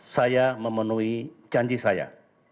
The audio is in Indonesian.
saya memenuhi janji saya